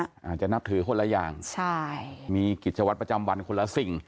อาจจะนับถือคนละอย่างใช่มีกิจวัตรประจำวันคนละสิ่ง